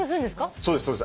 そうですそうです。